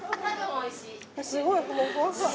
すごいもうふわふわ。